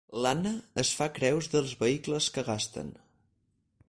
L'Anna es fa creus dels vehicles que gasten.